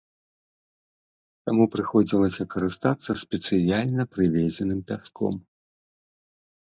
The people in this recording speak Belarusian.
Таму прыходзілася карыстацца спецыяльна прывезеным пяском.